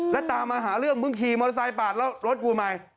แล้วตามมาหาเรื่องเพิ่งขี่มอเตอร์ไซค์ปากแล้วรถกลัวใหม่